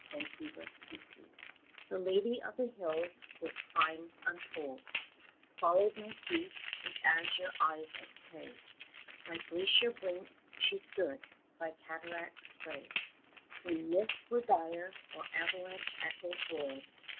NATURA MALIGNA The Lady of the Hills with crimes untold Followed my feet, with azure eyes of prey; By glacier brink she stood by cataract spray When mists were dire, or avalanche echoes rolled.